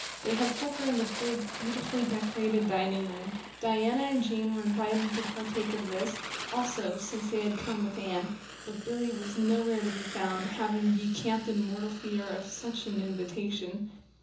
They had supper in the big, beautifully decorated dining room; Diana and Jane were invited to partake of this, also, since they had come with Anne, but Billy was nowhere to be found, having decamped in mortal fear of some such invitation.